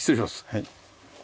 はい。